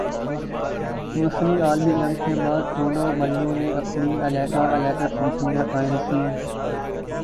وسری عالمی جنگ کے بعد دونوں بھائیوں نے اپنی علیحدہ علیحدہ کمپنیاں قائم کیں-